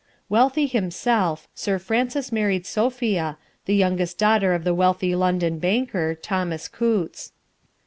Wealthy himself, Sir Francis married Sophia, the youngest daughter of the wealthy London banker, Thomas Coutts.